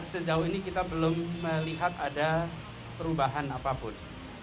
sejauh ini kita belum melihat ada perubahan apapun